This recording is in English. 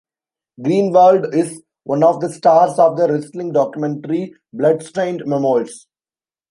Greenwald is one of the stars of the wrestling documentary, "Bloodstained Memoirs".